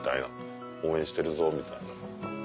「応援してるぞ」みたいな。